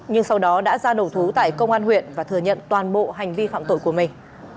nhưng sau đó đã ra đầu thú tại công an huyện và thừa nhận toàn bộ hành vi phạm tội của mình